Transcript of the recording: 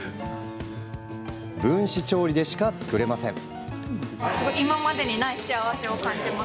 分子調理でしか作れません。